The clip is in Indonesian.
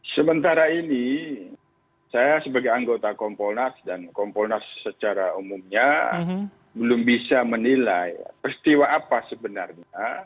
sementara ini saya sebagai anggota kompolnas dan kompolnas secara umumnya belum bisa menilai peristiwa apa sebenarnya